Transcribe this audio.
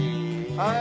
はい！